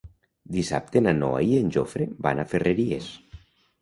Dissabte na Noa i en Jofre van a Ferreries.